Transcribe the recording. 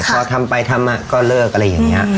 ค่ะเพราะทำไปทำก็เลิกอะไรอย่างเนี้ย